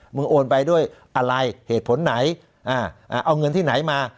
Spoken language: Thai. โอนไปด้วยอะไรเหตุผลไหนเอาเงินที่ไหนมา